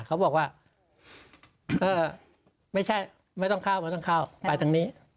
เขาบอกว่าไม่ใช่ไม่ต้องเข้าไม่ต้องเข้าไปทางนี้